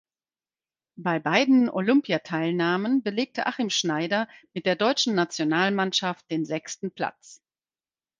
Bei beiden Olympiateilnahmen belegte Achim Schneider mit der deutschen Nationalmannschaft den sechsten Platz.